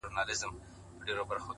پوه انسان د اورېدو هنر زده وي’